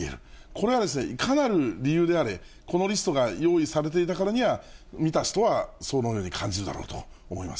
これは、いかなる理由であれ、このリストが用意されていたからには、見た人は、そのように感じ